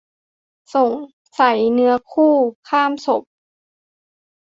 สงสัยเนื้อคู่ ข้ามศพ